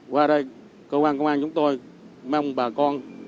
qua đây cơ quan công an chúng tôi mong bà con